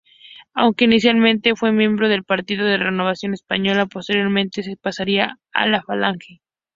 Aunque inicialmente fue miembro del partido Renovación Española, posteriormente se pasaría a Falange.